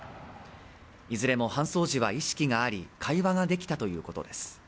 いずれも搬送時は意識があり、会話ができたということです。